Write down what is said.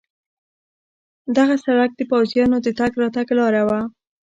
دغه سړک د پوځیانو د تګ راتګ لار وه.